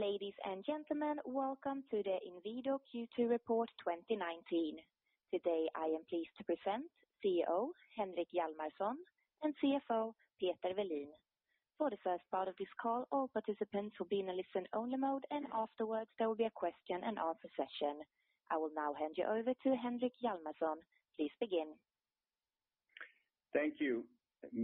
Ladies and gentlemen, welcome to the Inwido Q2 report 2019. Today, I am pleased to present CEO Henrik Hjalmarsson and CFO Peter Welin. For the first part of this call, all participants will be in a listen-only mode, and afterwards there will be a question and answer session. I will now hand you over to Henrik Hjalmarsson. Please begin. Thank you.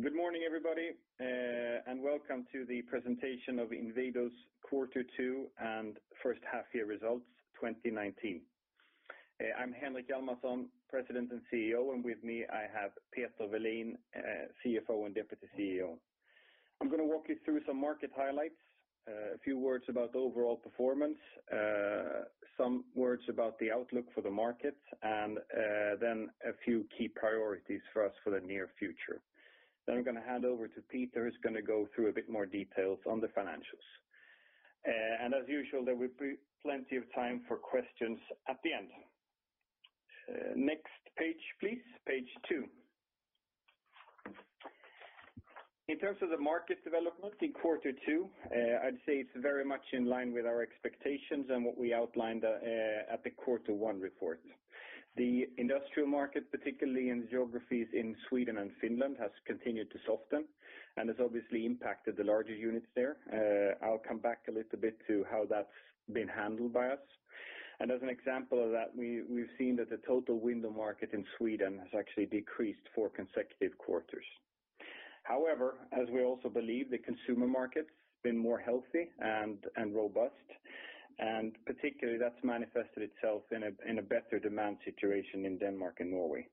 Good morning, everybody, and welcome to the presentation of Inwido's quarter two and first half year results 2019. I'm Henrik Hjalmarsson, President and CEO, and with me I have Peter Welin, CFO and Deputy CEO. I'm going to walk you through some market highlights, a few words about the overall performance, some words about the outlook for the market, and then a few key priorities for us for the near future. I'm going to hand over to Peter, who's going to go through a bit more details on the financials. As usual, there will be plenty of time for questions at the end. Next page, please, page two. In terms of the market development in quarter two, I'd say it's very much in line with our expectations and what we outlined at the quarter one report. The industrial market, particularly in geographies in Sweden and Finland, has continued to soften and has obviously impacted the larger units there. I'll come back a little bit to how that's been handled by us. As an example of that, we've seen that the total window market in Sweden has actually decreased four consecutive quarters. However, as we also believe the consumer market's been more healthy and robust, and particularly that's manifested itself in a better demand situation in Denmark and Norway.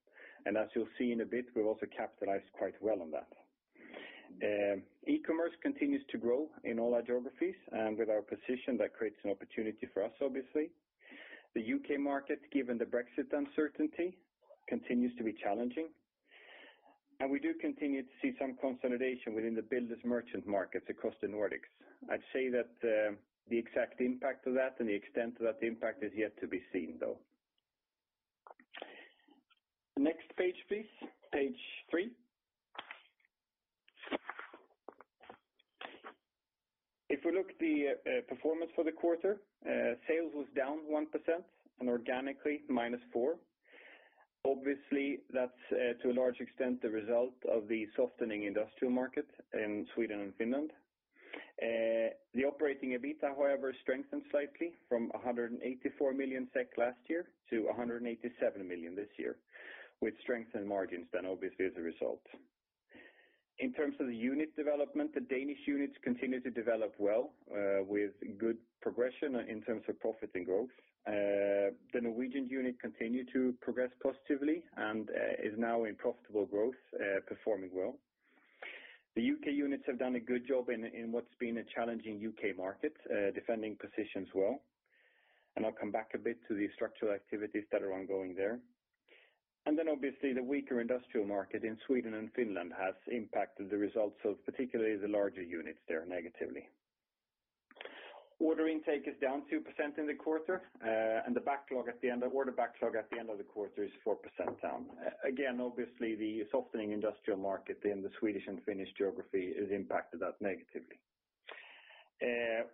As you'll see in a bit, we've also capitalized quite well on that. e-Commerce continues to grow in all our geographies, and with our position that creates an opportunity for us, obviously. The U.K. market, given the Brexit uncertainty, continues to be challenging, and we do continue to see some consolidation within the builders' merchant markets across the Nordics. I'd say that the exact impact of that and the extent of that impact is yet to be seen, though. Next page, please, page three. If we look at the performance for the quarter, sales was down 1% and organically minus 4.0. Obviously, that's to a large extent the result of the softening industrial market in Sweden and Finland. The operating EBITDA, however, strengthened slightly from 184 million SEK last year to 187 million this year, with strengthened margins then obviously as a result. In terms of the unit development, the Danish units continue to develop well with good progression in terms of profit and growth. The Norwegian unit continued to progress positively and is now in profitable growth, performing well. The U.K. units have done a good job in what's been a challenging U.K. market, defending positions well. I'll come back a bit to the structural activities that are ongoing there. Obviously, the weaker industrial market in Sweden and Finland has impacted the results of particularly the larger units there negatively. Order intake is down 2% in the quarter, and the order backlog at the end of the quarter is 4% down. Again, obviously, the softening industrial market in the Swedish and Finnish geography has impacted that negatively.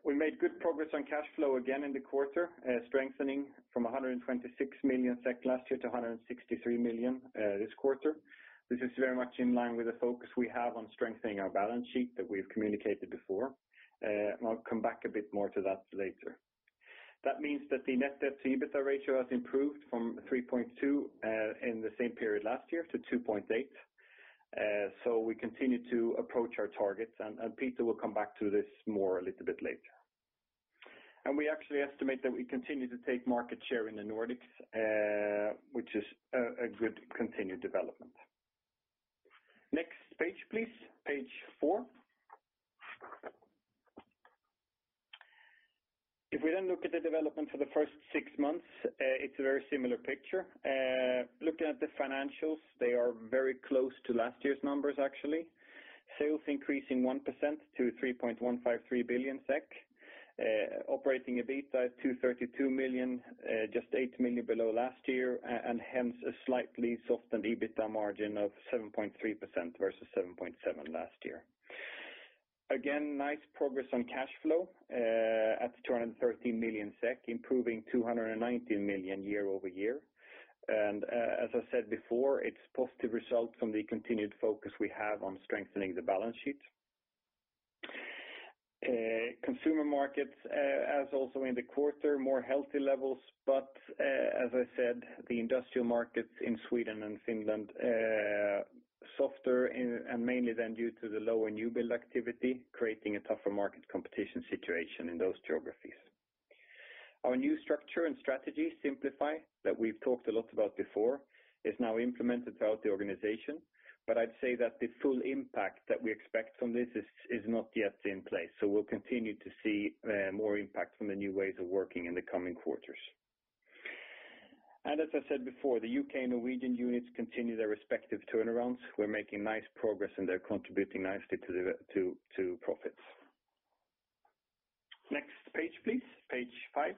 We made good progress on cash flow again in the quarter, strengthening from 126 million SEK last year to 163 million this quarter. This is very much in line with the focus we have on strengthening our balance sheet that we've communicated before, and I'll come back a bit more to that later. That means that the net debt to EBITDA ratio has improved from 3.2 in the same period last year to 2.8. We continue to approach our targets, and Peter will come back to this more a little bit later. We actually estimate that we continue to take market share in the Nordics, which is a good continued development. Next page, please, page four. If we then look at the development for the first six months, it's a very similar picture. Looking at the financials, they are very close to last year's numbers, actually. Sales increasing 1% to 3.153 billion SEK. Operating EBITDA at 232 million, just 8 million below last year, and hence a slightly softened EBITDA margin of 7.3% versus 7.7% last year. Again, nice progress on cash flow at 213 million SEK, improving 290 million year-over-year. As I said before, it's positive results from the continued focus we have on strengthening the balance sheet. Consumer markets, as also in the quarter, more healthy levels. As I said, the industrial markets in Sweden and Finland softer, and mainly then due to the lower new build activity, creating a tougher market competition situation in those geographies. Our new structure and strategy, Simplify, that we've talked a lot about before, is now implemented throughout the organization. I'd say that the full impact that we expect from this is not yet in place. We'll continue to see more impact from the new ways of working in the coming quarters. As I said before, the U.K. and Norwegian units continue their respective turnarounds. We're making nice progress, and they're contributing nicely to profits. Next page, please, page five.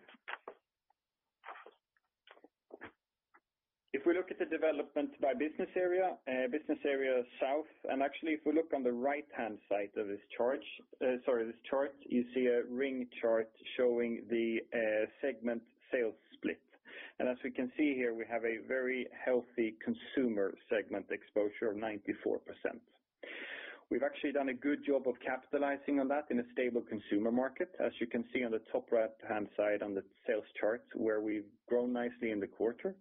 If we look at the development by business area, Business Area South, and actually if we look on the right-hand side of this chart, you see a ring chart showing the segment sales split. As we can see here, we have a very healthy consumer segment exposure of 94%. We've actually done a good job of capitalizing on that in a stable consumer market, as you can see on the top right-hand side on the sales charts where we've grown nicely in the quarter.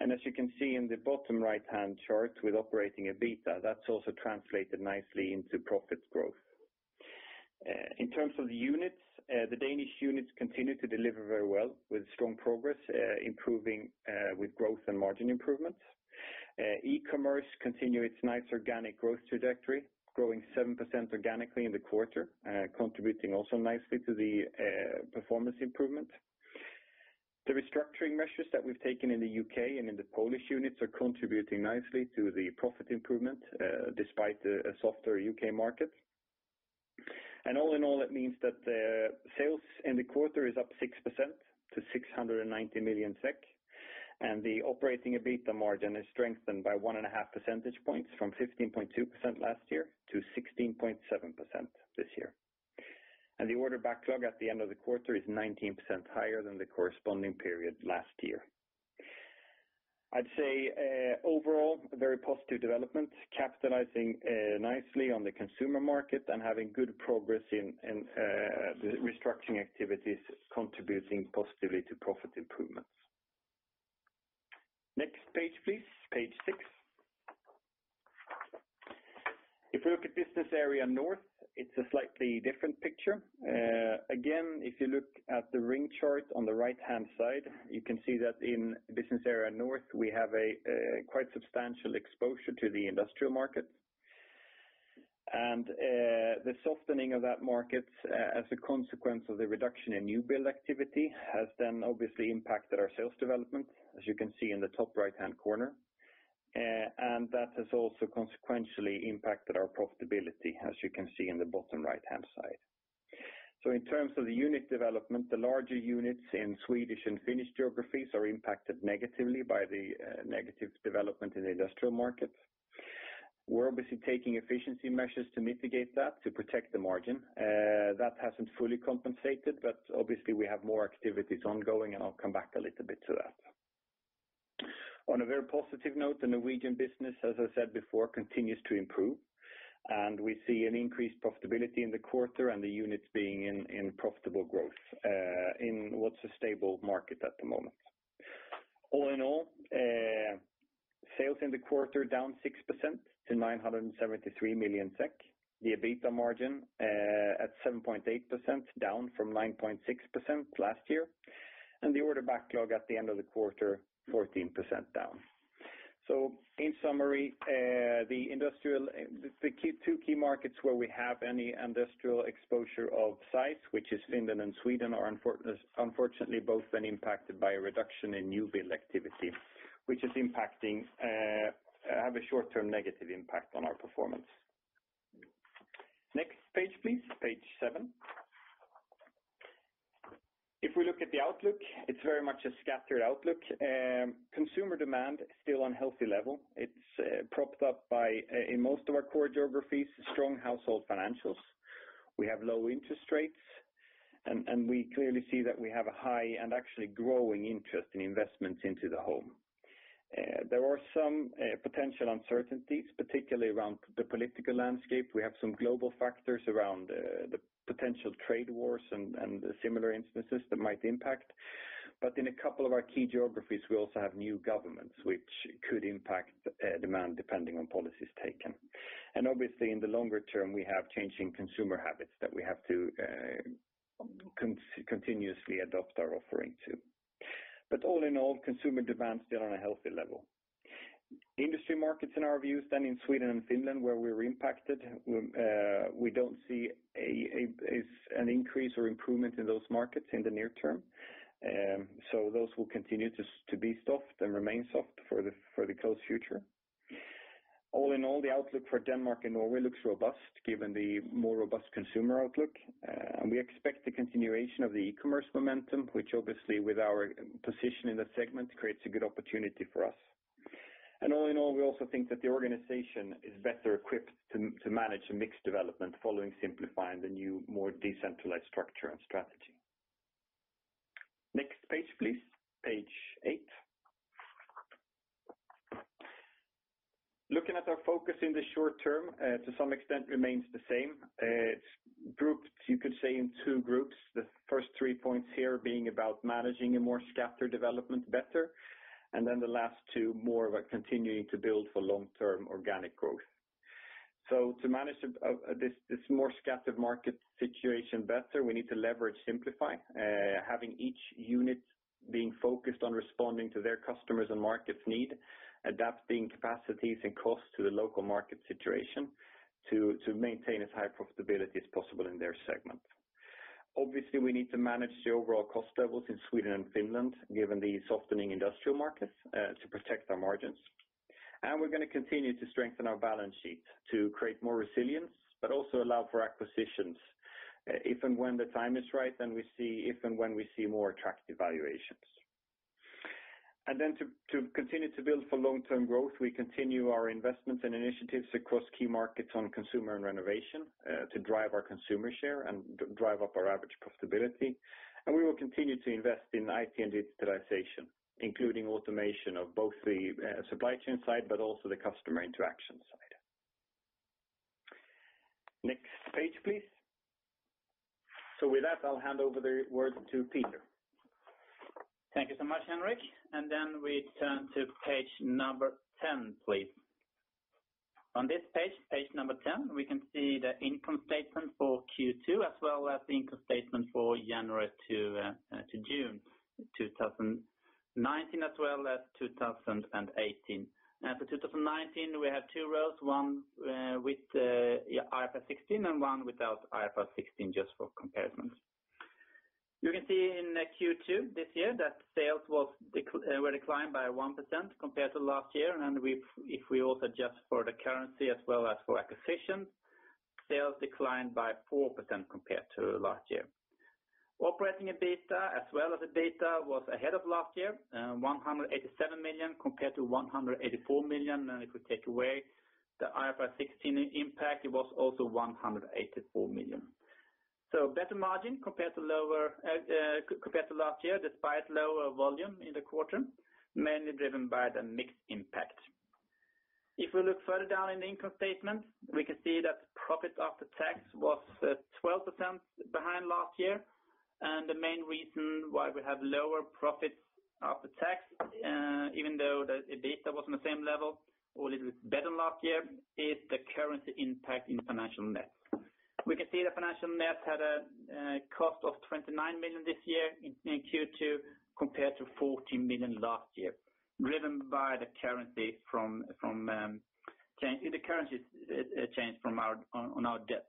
As you can see in the bottom right-hand chart with operating EBITDA, that's also translated nicely into profit growth. In terms of the units, the Danish units continue to deliver very well with strong progress, improving with growth and margin improvements. e-Commerce continue its nice organic growth trajectory, growing 7% organically in the quarter, contributing also nicely to the performance improvement. The restructuring measures that we've taken in the U.K. and in the Polish units are contributing nicely to the profit improvement, despite a softer U.K. market. All in all, it means that the sales in the quarter is up 6% to 690 million SEK, and the operating EBITDA margin is strengthened by 1.5 percentage points from 15.2% last year to 16.7% this year. The order backlog at the end of the quarter is 19% higher than the corresponding period last year. I'd say overall, very positive development, capitalizing nicely on the consumer market and having good progress in the restructuring activities contributing positively to profit improvements. Next page, please. Page six. If we look at Business Area North, it's a slightly different picture. Again, if you look at the ring chart on the right-hand side, you can see that in Business Area North, we have a quite substantial exposure to the industrial market. The softening of that market as a consequence of the reduction in new build activity has then obviously impacted our sales development, as you can see in the top right-hand corner. That has also consequentially impacted our profitability, as you can see in the bottom right-hand side. In terms of the unit development, the larger units in Swedish and Finnish geographies are impacted negatively by the negative development in the industrial markets. We're obviously taking efficiency measures to mitigate that, to protect the margin. That hasn't fully compensated, but obviously we have more activities ongoing, and I'll come back a little bit to that. On a very positive note, the Norwegian business, as I said before, continues to improve, and we see an increased profitability in the quarter and the units being in profitable growth in what's a stable market at the moment. All in all, sales in the quarter down 6% to 973 million SEK. The EBITDA margin at 7.8%, down from 9.6% last year. The order backlog at the end of the quarter, 14% down. In summary, the two key markets where we have any industrial exposure of sites, which is Finland and Sweden, are unfortunately both been impacted by a reduction in new build activity, which have a short-term negative impact on our performance. Next page, please. Page seven. If we look at the outlook, it's very much a scattered outlook. Consumer demand is still on healthy level. It's propped up by, in most of our core geographies, strong household financials. We have low interest rates, and we clearly see that we have a high and actually growing interest in investments into the home. There are some potential uncertainties, particularly around the political landscape. We have some global factors around the potential trade wars and the similar instances that might impact. In a couple of our key geographies, we also have new governments, which could impact demand depending on policies taken. Obviously in the longer term, we have changing consumer habits that we have to continuously adopt our offering to. All in all, consumer demand is still on a healthy level. Industry markets, in our view, than in Sweden and Finland, where we're impacted, we don't see an increase or improvement in those markets in the near term. Those will continue to be soft and remain soft for the close future. All in all, the outlook for Denmark and Norway looks robust given the more robust consumer outlook. We expect the continuation of the e-Commerce momentum, which obviously with our position in that segment creates a good opportunity for us. All in all, we also think that the organization is better equipped to manage a mixed development following Simplify, the new, more decentralized structure and strategy. Next page, please. Page eight. Looking at our focus in the short term, to some extent remains the same. It's grouped, you could say in two groups. The first three points here being about managing a more scattered development better, then the last two, more of a continuing to build for long-term organic growth. To manage this more scattered market situation better, we need to leverage Simplify, having each unit being focused on responding to their customers' and markets' need, adapting capacities and costs to the local market situation to maintain as high profitability as possible in their segment. Obviously, we need to manage the overall cost levels in Sweden and Finland, given the softening industrial markets, to protect our margins. We're going to continue to strengthen our balance sheet to create more resilience, but also allow for acquisitions if and when the time is right and if and when we see more attractive valuations. To continue to build for long-term growth, we continue our investments and initiatives across key markets on consumer and renovation to drive our consumer share and drive up our average profitability. We will continue to invest in IT and digitalization, including automation of both the supply chain side, but also the customer interaction side. Next page, please. With that, I'll hand over the word to Peter. Thank you so much, Henrik. Then we turn to page number 10, please. On this page number 10, we can see the income statement for Q2 as well as the income statement for January to June 2019 as well as 2018. For 2019, we have two rows, one with IFRS 16 and one without IFRS 16 just for comparison. You can see in Q2 this year that sales were declined by 1% compared to last year. If we also adjust for the currency as well as for acquisition, sales declined by 4% compared to last year. operating EBITDA as well as the EBITDA was ahead of last year, 187 million compared to 184 million. If we take away the IFRS 16 impact, it was also 184 million. Better margin compared to last year, despite lower volume in the quarter, mainly driven by the mix impact. If we look further down in the income statement, we can see that profit after tax was 12% behind last year. The main reason why we have lower profits after tax even though the EBITDA was on the same level or it was better than last year, is the currency impact in financial net. We can see the financial net had a cost of 29 million this year in Q2 compared to 14 million last year, driven by the currency change on our debt.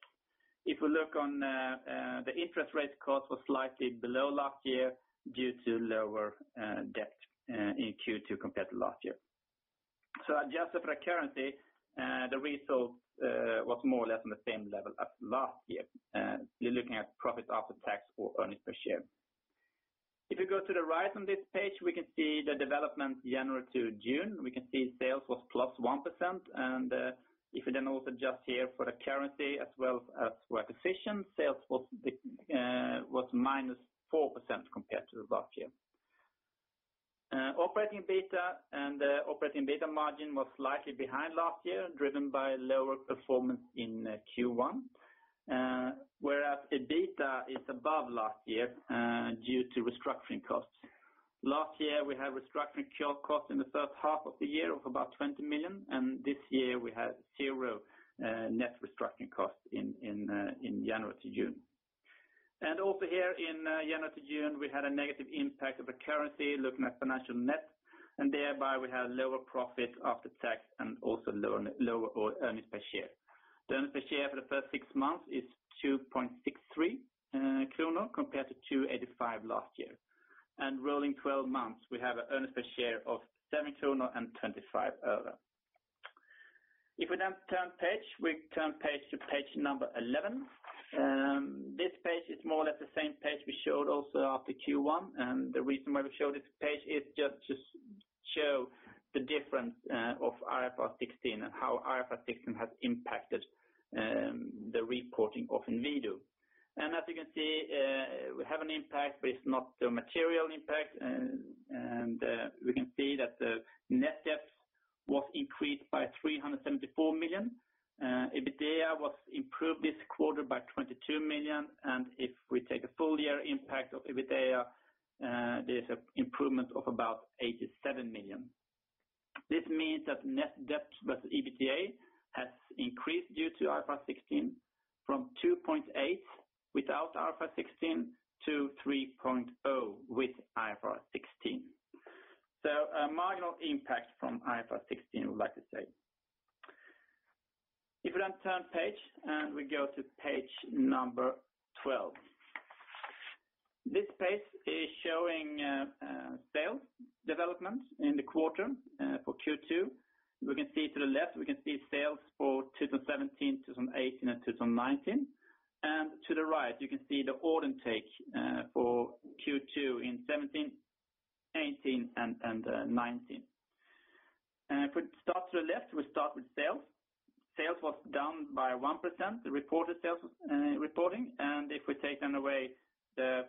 If we look on the interest rate cost was slightly below last year due to lower debt in Q2 compared to last year. Adjusted for currency, the result was more or less on the same level as last year. You're looking at profit after tax or earnings per share. You go to the right on this page, we can see the development January to June. Sales was +1%. We also adjust here for the currency as well as for acquisition, sales was -4% compared to last year. Operating EBITDA and the operating EBITDA margin was slightly behind last year, driven by lower performance in Q1. EBITDA is above last year due to restructuring costs. Last year we had restructuring costs in the first half of the year of about 20 million. This year we had zero net restructuring costs in January to June. In January to June, we had a negative impact of the currency looking at financial net. We had lower profit after tax and also lower earnings per share. The earnings per share for the first six months is 2.63 kronor compared to 2.85 last year. Rolling 12 months, we have an earnings per share of SEK 7.25. We turn page to page number 11. This page is more or less the same page we showed also after Q1. The reason why we show this page is just to show the difference of IFRS 16 and how IFRS 16 has impacted the reporting of Inwido. As you can see, we have an impact, but it's not a material impact. We can see that the net debt was increased by 374 million. EBITDA was improved this quarter by 22 million. If we take a full-year impact of EBITDA, there's an improvement of about 87 million. This means that net debt plus EBITDA has increased due to IFRS 16 from 2.8 without IFRS 16 to 3.0 with IFRS 16. A marginal impact from IFRS 16, we'd like to say. We turn page and we go to page number 12. This page is showing sales development in the quarter for Q2. To the left, we can see sales for 2017, 2018, and 2019. To the right, you can see the order intake for Q2 in 2017, 2018, and 2019. To the left, we start with sales. Sales was down by -1%, the reported sales reporting. We take away the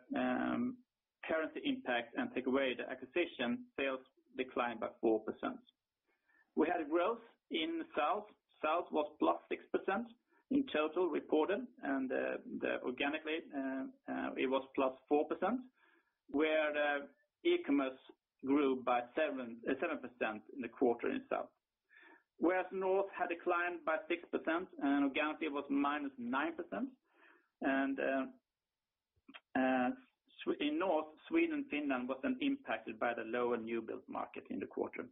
currency impact and take away the acquisition, sales declined by -4%. We had growth in South. South was +6% in total reported. Organically it was +4%, where the e-Commerce grew by 7% in the quarter in South. North had declined by -6%. Organically it was -9%. In North, Sweden, Finland was then impacted by the lower new build market in the quarter.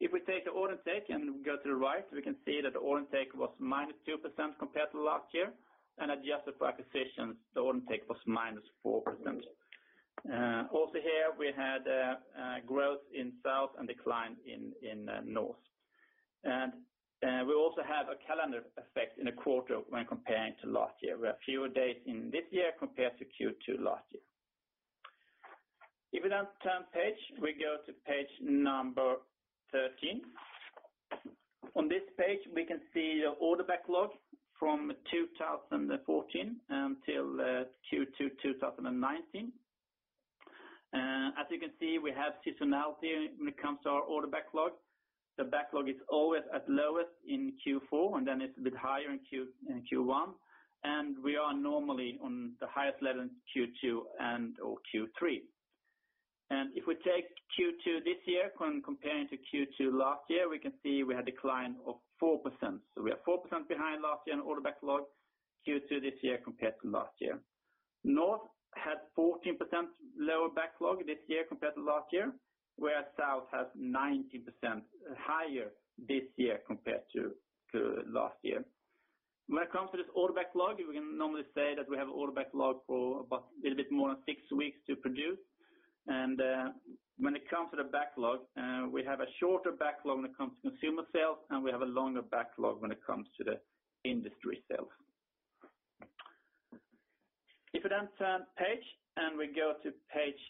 We take the order intake and go to the right, we can see that the order intake was -2% compared to last year. Adjusted for acquisitions, the order intake was -4%. We had growth in South and decline in North. We also have a calendar effect in a quarter when comparing to last year. We have fewer days in this year compared to Q2 last year. We turn page, we go to page number 13. On this page, we can see the order backlog from 2014 until Q2 2019. As you can see, we have seasonality when it comes to our order backlog. The backlog is always at lowest in Q4, then it's a bit higher in Q1, and we are normally on the highest level in Q2 and/or Q3. If we take Q2 this year when comparing to Q2 last year, we can see we had decline of 4%. We are 4% behind last year on order backlog Q2 this year compared to last year. North had 14% lower backlog this year compared to last year, where South has 19% higher this year compared to last year. When it comes to this order backlog, we can normally say that we have order backlog for about a little bit more than six weeks to produce. When it comes to the backlog, we have a shorter backlog when it comes to consumer sales, and we have a longer backlog when it comes to the industry sales. If we now turn page, we go to page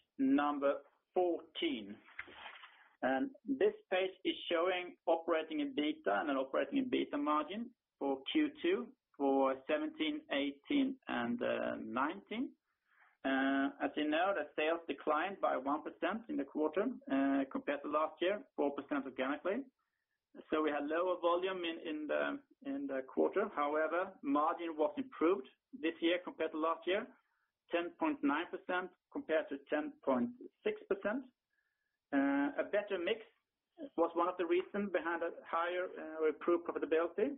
14. This page is showing operating EBITDA and operating EBITDA margin for Q2 for 2017, 2018, and 2019. As you know, the sales declined by 1% in the quarter compared to last year, 4% organically. We had lower volume in the quarter. However, margin was improved this year compared to last year, 10.9% compared to 10.6%. A better mix was one of the reasons behind that higher improved profitability.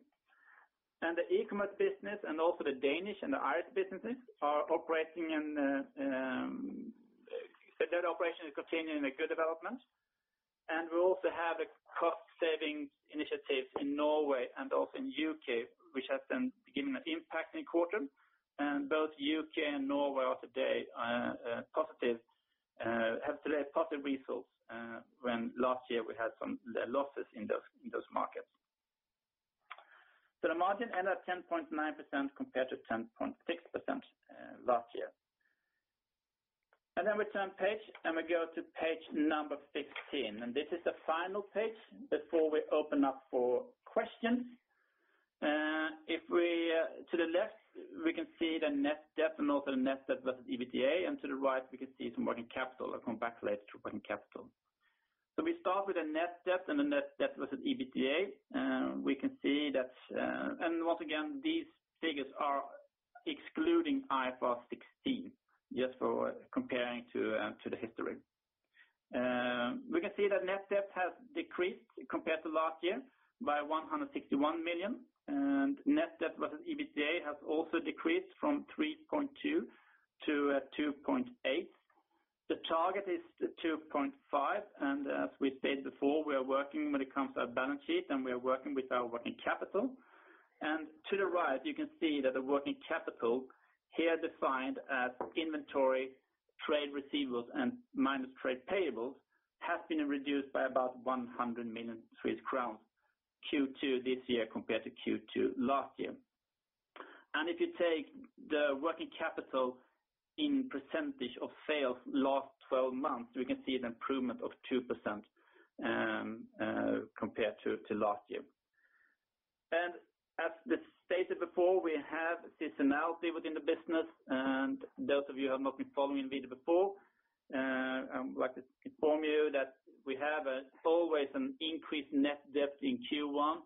The e-Commerce business and also the Danish and the Irish businesses, their operation is continuing a good development. We also have a cost-saving initiative in Norway and also in U.K., which has been beginning an impact in quarter. Both U.K. and Norway have today a positive result when last year we had some losses in those markets. The margin ended at 10.9% compared to 10.6% last year. We turn page, we go to page 16. This is the final page before we open up for questions. To the left, we can see the net debt and also the net debt versus EBITDA, and to the right, we can see some working capital. I'll come back later to working capital. We start with the net debt and the net debt versus EBITDA. Once again, these figures are excluding IFRS 16, just for comparing to the history. We can see that net debt has decreased compared to last year by 161 million, and net debt versus EBITDA has also decreased from 3.2 to 2.8. The target is 2.5, as we said before, we are working when it comes to our balance sheet, we are working with our working capital. To the right, you can see that the working capital here defined as inventory, trade receivables, and minus trade payables, has been reduced by about 100 million crowns Q2 this year compared to Q2 last year. If you take the working capital in percentage of sales last 12 months, we can see an improvement of 2% compared to last year. As stated before, we have seasonality within the business, those of you who have not been following Inwido before, I would like to inform you that we have always an increased net debt in Q1.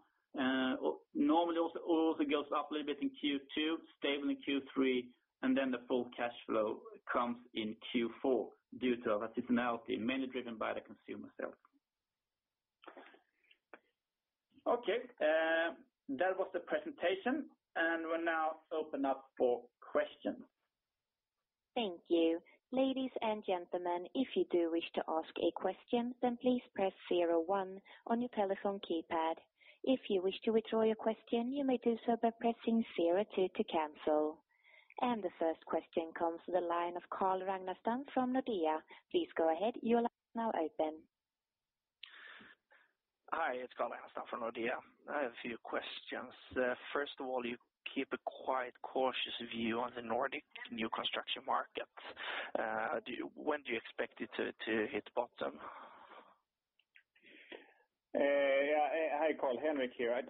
Normally also goes up a little bit in Q2, stable in Q3, then the full cash flow comes in Q4 due to that seasonality, mainly driven by the consumer sales. Okay. That was the presentation, we'll now open up for questions. Thank you. Ladies and gentlemen, if you do wish to ask a question, then please press 01 on your telephone keypad. If you wish to withdraw your question, you may do so by pressing 02 to cancel. The first question comes to the line of Carl Ragnerstam from Nordea. Please go ahead. Your line is now open. Hi, it's Carl Ragnerstam from Nordea. I have a few questions. First of all, you keep a quite cautious view on the Nordic new construction market. When do you expect it to hit bottom? Hi, Carl. Henrik here.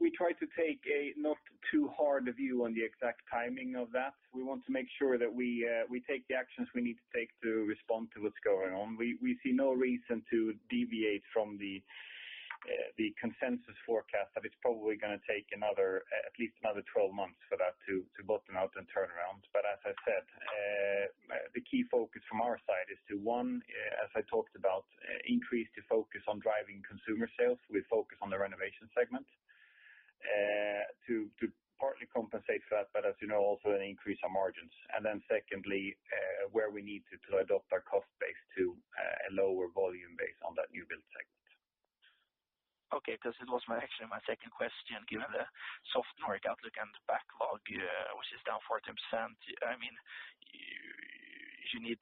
We try to take a not too hard view on the exact timing of that. We want to make sure that we take the actions we need to take to respond to what's going on. We see no reason to deviate from the consensus forecast that it's probably going to take at least another 12 months for that to bottom out and turn around. As I said, the key focus from our side is to, one, as I talked about, increase the focus on driving consumer sales with focus on the renovation segment to partly compensate for that, as you know, also an increase on margins. Then secondly, where we need to adopt our cost base to a lower volume base. Okay, because it was actually my second question, given the soft market outlook and backlog, which is down 14%. You need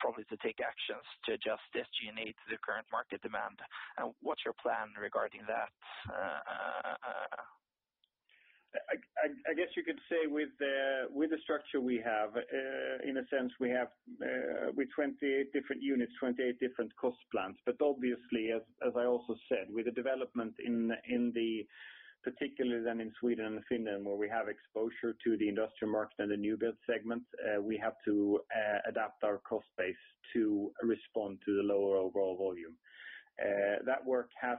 probably to take actions to adjust SG&A to the current market demand. What's your plan regarding that? I guess you could say with the structure we have, in a sense, we have with 28 different units, 28 different cost plans. Obviously, as I also said, with the development in particularly then in Sweden and Finland, where we have exposure to the industrial market and the new build segments we have to adapt our cost base to respond to the lower overall volume. That work has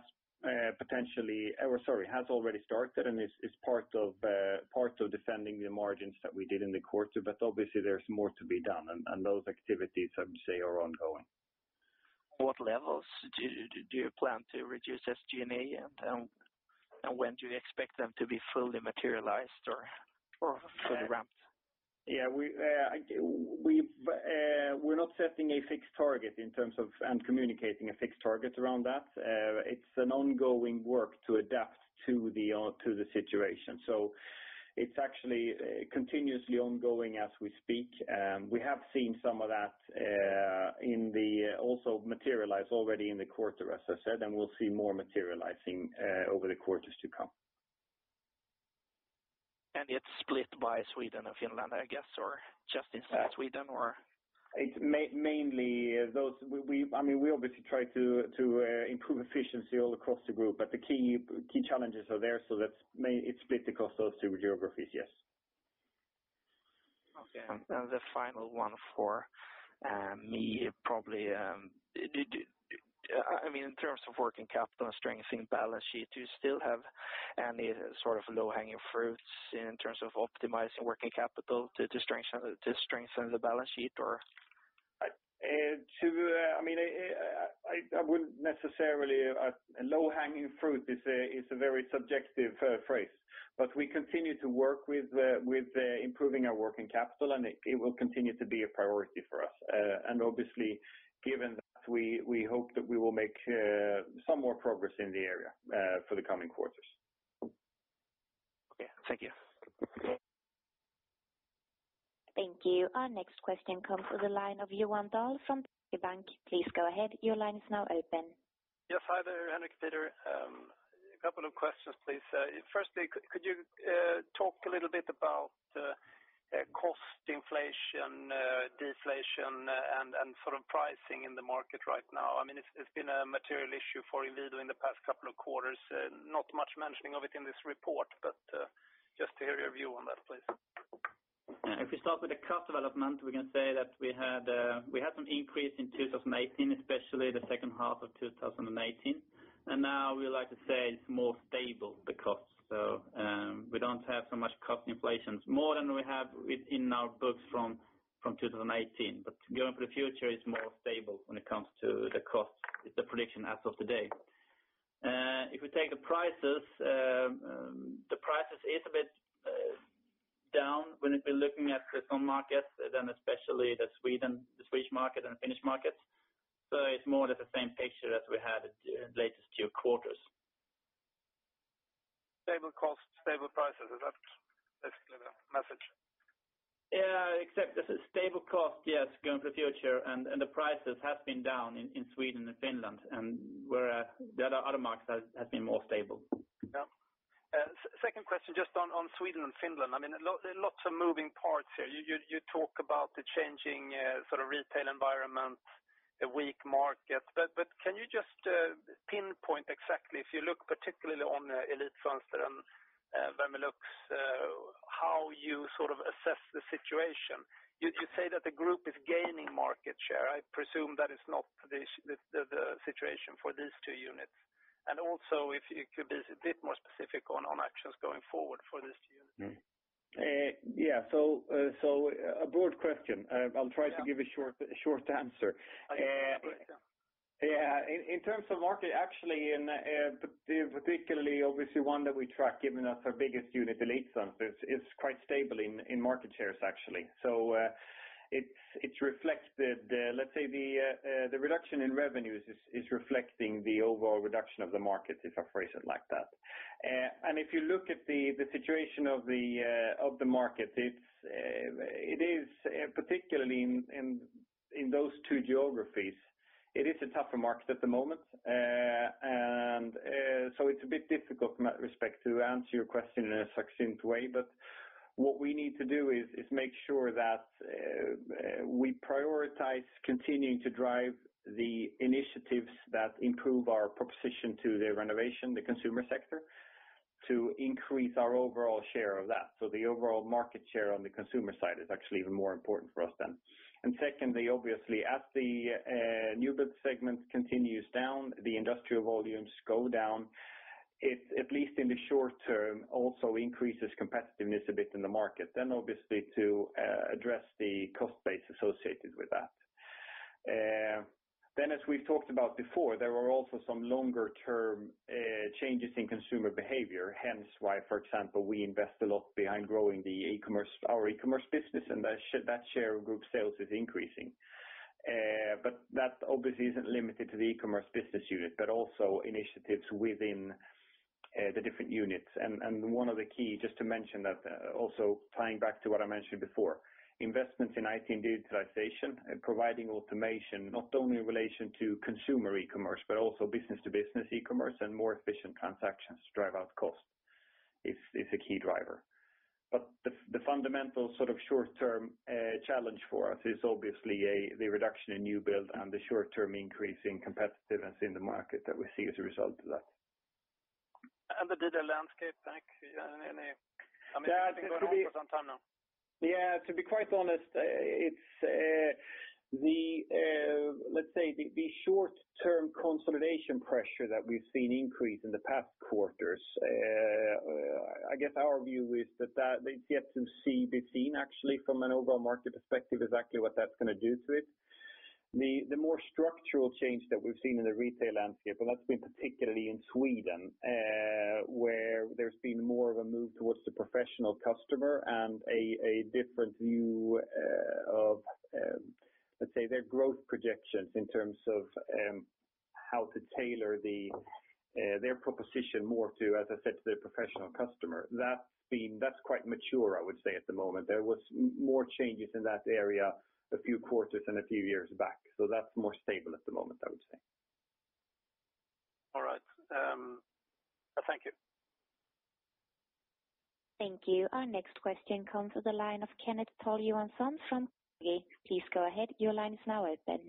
already started and is part of defending the margins that we did in the quarter. Obviously there's more to be done, and those activities I would say are ongoing. What levels do you plan to reduce SG&A and when do you expect them to be fully materialized or fully ramped? We're not setting a fixed target in terms of, and communicating a fixed target around that. It's an ongoing work to adapt to the situation. It's actually continuously ongoing as we speak. We have seen some of that also materialize already in the quarter, as I said, and we'll see more materializing over the quarters to come. It's split by Sweden and Finland, I guess, or just in Sweden or? It's mainly those. We obviously try to improve efficiency all across the group but the key challenges are there. It's split across those two geographies, yes. Okay. The final one for me, probably. In terms of working capital and strengthening balance sheet, do you still have any sort of low-hanging fruits in terms of optimizing working capital to strengthen the balance sheet or? A low-hanging fruit is a very subjective phrase, we continue to work with improving our working capital, and it will continue to be a priority for us. Obviously given that we hope that we will make some more progress in the area for the coming quarters. Okay. Thank you. Thank you. Our next question comes from the line of Johan Dahl from SEB Bank. Please go ahead. Your line is now open. Yes. Hi there, Henrik, Peter. A couple of questions, please. Firstly, could you talk a little bit about cost inflation, deflation, and sort of pricing in the market right now? It's been a material issue for Inwido in the past couple of quarters. Not much mentioning of it in this report, but just to hear your view on that, please. If we start with the cost development, we can say that we had some increase in 2018, especially the second half of 2018, and now we like to say it's more stable, the cost. We don't have so much cost inflation. More than we have within our books from 2018. Going for the future, it's more stable when it comes to the cost. It's a prediction as of today. If we take the prices, the prices is a bit down when we've been looking at some markets, then especially the Swedish market and the Finnish market. It's more or less the same picture as we had the latest two quarters. Stable cost, stable prices. Is that basically the message? Except a stable cost, yes, going for the future, and the prices have been down in Sweden and Finland, and where the other markets have been more stable. Second question, just on Sweden and Finland. There are lots of moving parts here. You talk about the changing retail environment, the weak market. Can you just pinpoint exactly if you look particularly on Elitfönster and Värmelux, how you sort of assess the situation? You say that the group is gaining market share. I presume that is not the situation for these two units. Also if you could be a bit more specific on actions going forward for these two units. A broad question. I'll try to give a short answer. Yeah. In terms of market, actually, and particularly obviously one that we track given as our biggest unit, Elitfönster, is quite stable in market shares, actually. It reflects the reduction in revenues is reflecting the overall reduction of the market, if I phrase it like that. If you look at the situation of the market, particularly in those two geographies, it is a tougher market at the moment. It's a bit difficult from that respect to answer your question in a succinct way. What we need to do is make sure that we prioritize continuing to drive the initiatives that improve our proposition to the renovation, the consumer sector, to increase our overall share of that. The overall market share on the consumer side is actually even more important for us then. Secondly, obviously, as the new build segment continues down, the industrial volumes go down. It, at least in the short term, also increases competitiveness a bit in the market. Obviously to address the cost base associated with that. As we've talked about before, there are also some longer term changes in consumer behavior, hence why, for example, we invest a lot behind growing our e-commerce business, and that share of group sales is increasing. But that obviously isn't limited to the e-commerce business unit, but also initiatives within the different units. One of the key, just to mention that, also tying back to what I mentioned before, investments in IT and digitalization and providing automation, not only in relation to consumer e-commerce, but also business-to-business e-commerce and more efficient transactions to drive out cost is a key driver. The fundamental short-term challenge for us is obviously the reduction in new build and the short-term increase in competitiveness in the market that we see as a result of that. The data landscape, Per. It's been going on for some time now. Yeah. To be quite honest, let's say the short-term consolidation pressure that we've seen increase in the past quarters, I guess our view is that it's yet to be seen actually from an overall market perspective, exactly what that's going to do to it. The more structural change that we've seen in the retail landscape, and that's been particularly in Sweden, where there's been more of a move towards the professional customer and a different view of, let's say, their growth projections in terms of how to tailor their proposition more to, as I said, to the professional customer. That's quite mature, I would say, at the moment. There was more changes in that area a few quarters and a few years back. That's more stable at the moment, I would say. All right. Thank you. Thank you. Our next question comes to the line of Kenneth Tollefsen from Please go ahead. Your line is now open.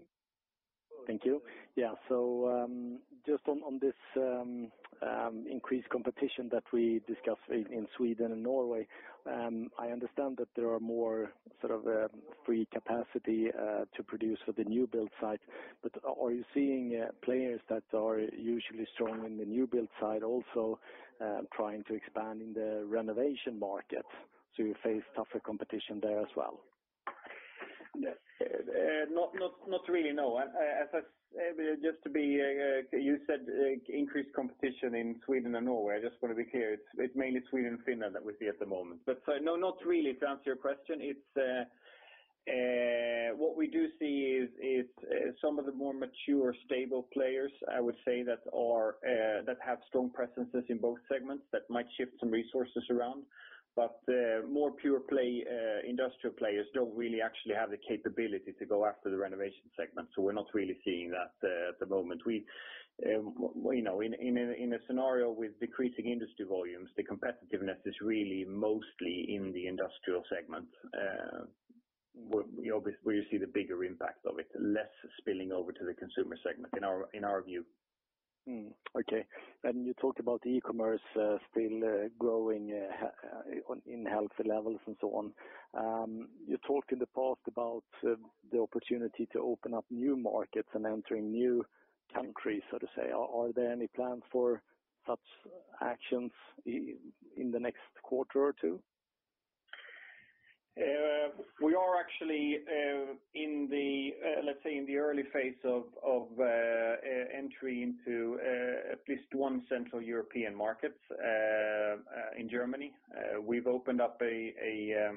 Thank you. Just on this increased competition that we discussed in Sweden and Norway, I understand that there are more free capacity to produce the new build site. Are you seeing players that are usually strong in the new build side also trying to expand in the renovation market? You face tougher competition there as well? Not really, no. You said increased competition in Sweden and Norway. I just want to be clear, it's mainly Sweden and Finland that we see at the moment. No, not really, to answer your question. What we do see is some of the more mature, stable players, I would say, that have strong presences in both segments that might shift some resources around, but more pure play industrial players don't really actually have the capability to go after the renovation segment. We're not really seeing that at the moment. In a scenario with decreasing industry volumes, the competitiveness is really mostly in the industrial segment where you see the bigger impact of it, less spilling over to the consumer segment, in our view. Okay. You talked about e-Commerce still growing in healthy levels and so on. You talked in the past about the opportunity to open up new markets and entering new countries, so to say. Are there any plans for such actions in the next quarter or two? We are actually in the early phase of entry into at least one central European market, in Germany. We've opened up a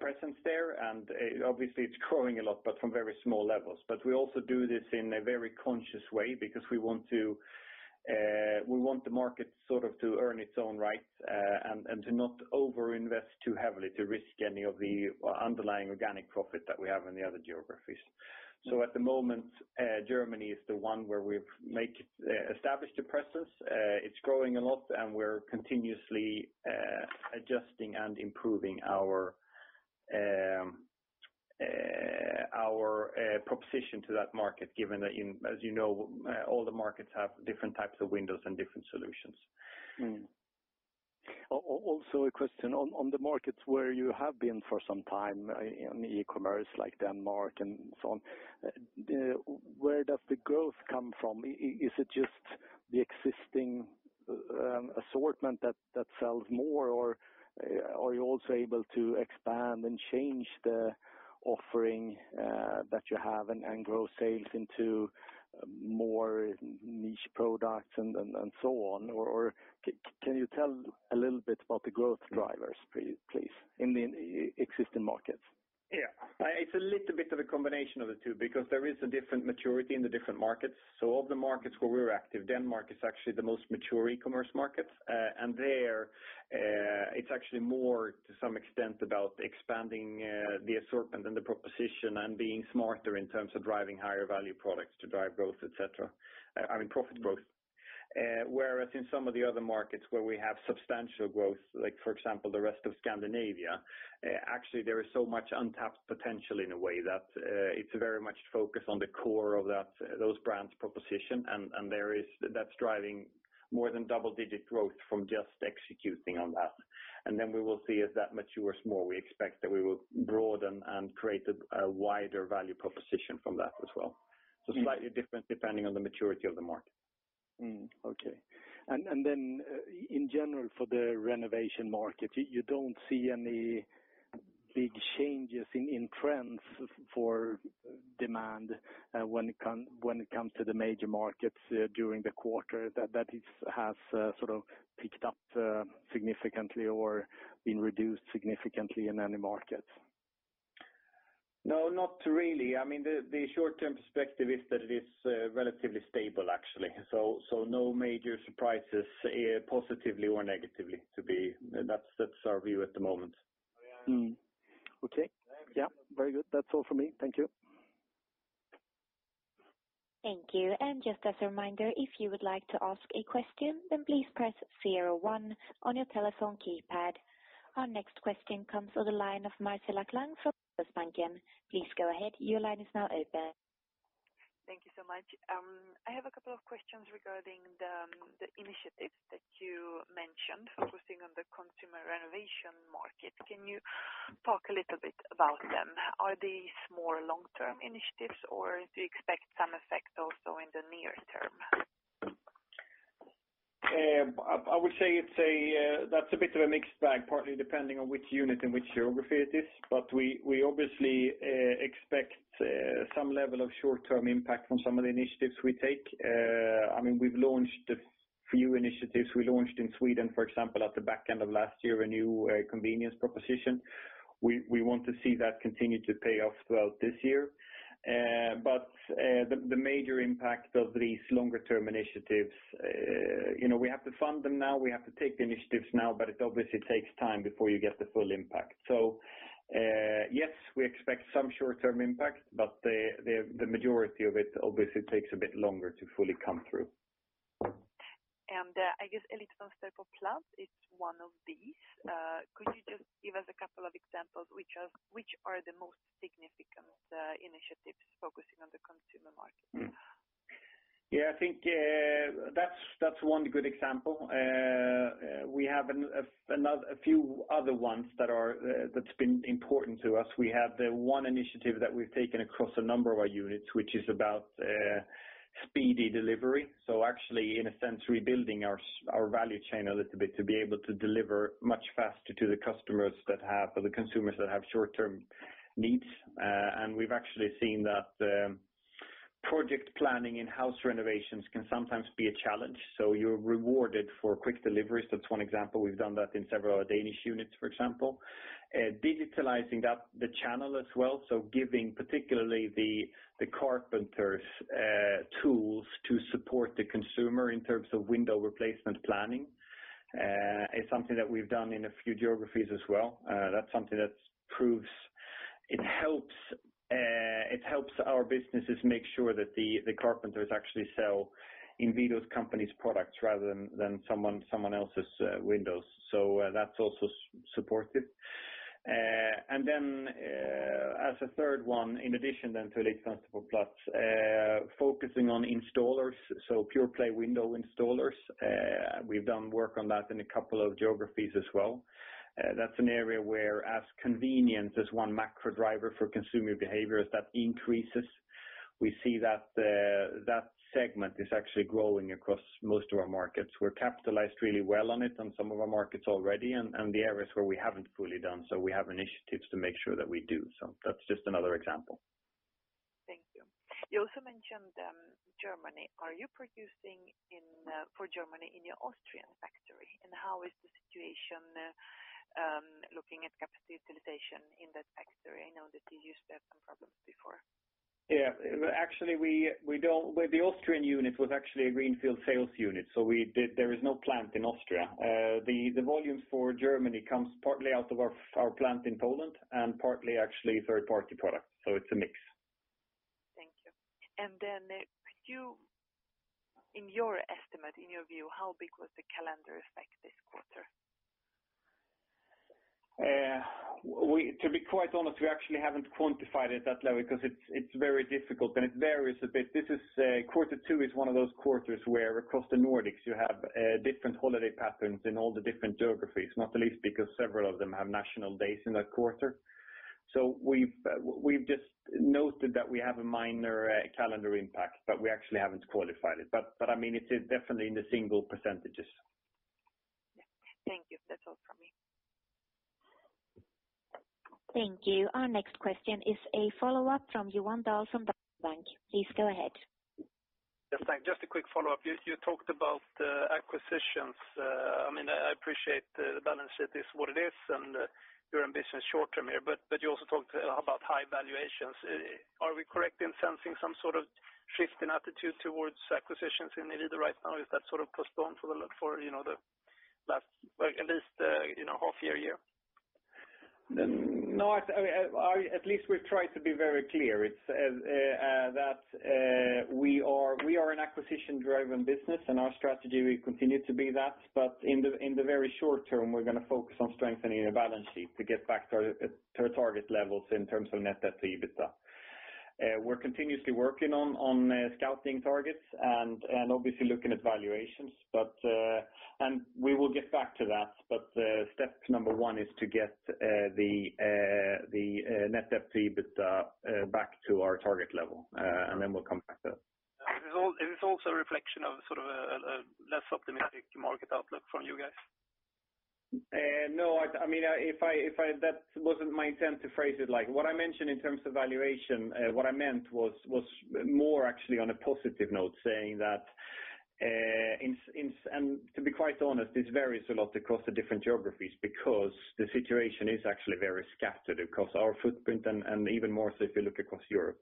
presence there, and obviously it's growing a lot, but from very small levels. We also do this in a very conscious way because we want the market to earn its own rights, and to not over-invest too heavily to risk any of the underlying organic profit that we have in the other geographies. At the moment, Germany is the one where we've established a presence. It's growing a lot, and we're continuously adjusting and improving our proposition to that market, given that, as you know all the markets have different types of windows and different solutions. Also a question on the markets where you have been for some time in e-Commerce, like Denmark and so on, where does the growth come from? Is it just the existing assortment that sells more, or are you also able to expand and change the offering that you have and grow sales into more niche products and so on? Can you tell a little bit about the growth drivers, please, in the existing markets? Yeah. It's a little bit of a combination of the two, because there is a different maturity in the different markets. Of the markets where we're active, Denmark is actually the most mature e-Commerce market. There, it's actually more, to some extent, about expanding the assortment and the proposition and being smarter in terms of driving higher value products to drive growth, et cetera. I mean, profit growth. Whereas in some of the other markets where we have substantial growth, like for example, the rest of Scandinavia, actually, there is so much untapped potential in a way that it's very much focused on the core of those brands' proposition, and that's driving more than double-digit growth from just executing on that. Then we will see as that matures more, we expect that we will broaden and create a wider value proposition from that as well. Slightly different depending on the maturity of the market. Okay. In general, for the renovation market, you don't see any big changes in trends for demand when it comes to the major markets during the quarter that has sort of picked up significantly or been reduced significantly in any markets? No, not really. The short-term perspective is that it is relatively stable, actually. No major surprises positively or negatively. That's our view at the moment. Okay. Very good. That is all from me. Thank you. Thank you. Just as a reminder, if you would like to ask a question, please press 01 on your telephone keypad. Our next question comes on the line of Marcella Lang from SEB Bank. Please go ahead. Your line is now open. Thank you so much. I have a couple of questions regarding the initiatives that you mentioned focusing on the consumer renovation market. Can you talk a little bit about them? Are these more long-term initiatives, or do you expect some effect also in the near term? I would say that is a bit of a mixed bag, partly depending on which unit and which geography it is. We obviously expect some level of short-term impact from some of the initiatives we take. We have launched a few initiatives. We launched in Sweden, for example, at the back end of last year, a new convenience proposition. We want to see that continue to pay off throughout this year. The major impact of these longer-term initiatives, we have to fund them now, we have to take the initiatives now, it obviously takes time before you get the full impact. Yes, we expect some short-term impact, the majority of it obviously takes a bit longer to fully come through. 80%-Plus is one of these. Could you just give us a couple of examples, which are the most significant initiatives focusing on the consumer market? I think that's one good example. We have a few other ones that's been important to us. We have the one initiative that we've taken across a number of our units, which is about speedy delivery. Actually, in a sense, rebuilding our value chain a little bit to be able to deliver much faster to the customers that have the consumers that have short-term needs. We've actually seen that project planning in-house renovations can sometimes be a challenge, so you're rewarded for quick deliveries. That's one example. We've done that in several Danish units, for example. Digitalizing the channel as well, so giving particularly the carpenters' tools to support the consumer in terms of window replacement planning is something that we've done in a few geographies as well. That's something that proves it helps our businesses make sure that the carpenters actually sell Inwido's company's products rather than someone else's windows. That's also supported. As a third one, in addition then to 80%-Plus, focusing on installers, so pure play window installers. We've done work on that in a couple of geographies as well. That's an area where as convenience is one macro driver for consumer behavior, as that increases, we see that segment is actually growing across most of our markets. We're capitalized really well on it in some of our markets already, and the areas where we haven't fully done so we have initiatives to make sure that we do. That's just another example. Thank you. You also mentioned Germany. Are you producing for Germany in your Austrian factory? How is the situation looking at capacity utilization in that factory? I know that you used to have some problems before. Yeah. The Austrian unit was actually a greenfield sales unit. There is no plant in Austria. The volumes for Germany comes partly out of our plant in Poland and partly actually third-party product. It's a mix. Thank you. Could you, in your estimate, in your view, how big was the calendar effect this quarter? To be quite honest, we actually haven't quantified it that low because it's very difficult and it varies a bit. Quarter two is one of those quarters where across the Nordics you have different holiday patterns in all the different geographies, not the least because several of them have national days in that quarter. We've just noted that we have a minor calendar impact, but we actually haven't qualified it. It is definitely in the single percentages. Thank you. That's all from me. Thank you. Our next question is a follow-up from Johan Dahl from SEB. Please go ahead. Yes, thanks. Just a quick follow-up. You talked about acquisitions. I appreciate the balance sheet is what it is and your ambition short term here. You also talked about high valuations. Are we correct in sensing some sort of shift in attitude towards acquisitions in Inwido right now? Is that postponed for the last, at least, half year? No. At least we've tried to be very clear. We are an acquisition-driven business, and our strategy will continue to be that. In the very short term, we're going to focus on strengthening the balance sheet to get back to our target levels in terms of net debt to EBITDA. We're continuously working on scouting targets and obviously looking at valuations, and we will get back to that. Step number 1 is to get the net debt to EBITDA back to our target level, and then we'll come back to that. Is this also a reflection of a less optimistic market outlook from you guys? No. That was not my intent to phrase it like. What I mentioned in terms of valuation, what I meant was more actually on a positive note, saying that to be quite honest, this varies a lot across the different geographies because the situation is actually very scattered across our footprint and even more so if you look across Europe.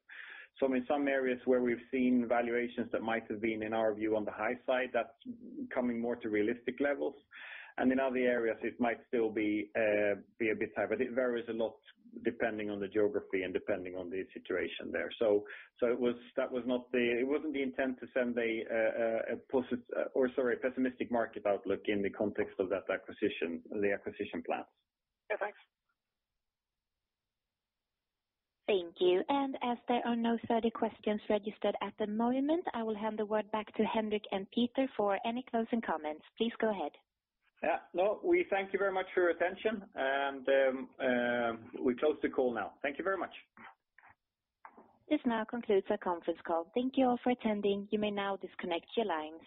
In some areas where we've seen valuations that might have been, in our view, on the high side, that is coming more to realistic levels. In other areas, it might still be a bit high. It varies a lot depending on the geography and depending on the situation there. It was not the intent to send a pessimistic market outlook in the context of the acquisition plans. Yeah, thanks. Thank you. As there are no further questions registered at the moment, I will hand the word back to Henrik and Peter for any closing comments. Please go ahead. Yeah. We thank you very much for your attention, and we close the call now. Thank you very much. This now concludes our conference call. Thank you all for attending. You may now disconnect your lines.